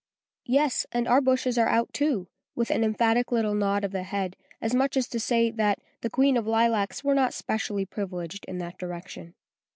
"Yes; and our bushes are out too," with an emphatic little nod of the head, as much as to say, that the Queen's lilacs were not specially privileged in that direction.